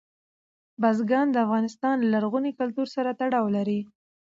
بزګان د افغانستان له لرغوني کلتور سره تړاو لري.